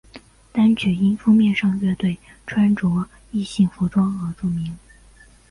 单曲因封面上乐队穿着异性服装而著名。